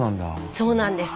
そうなんです。